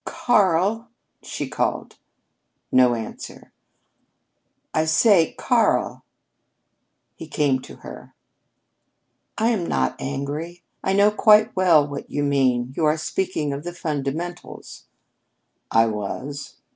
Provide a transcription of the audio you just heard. "Karl!" she called. No answer. "I say Karl!" He came to her. "I am not angry. I know quite well what you mean. You were speaking of the fundamentals." "I was."